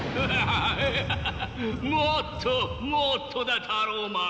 もっともっとだタローマン！